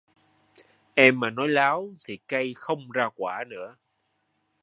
em mà nói láo thì cây không ra quả nữa